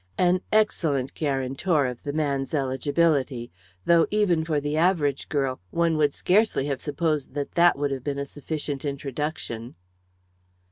"An excellent guarantor of the man's eligibility, though, even for the average girl, one would scarcely have supposed that that would have been a sufficient introduction."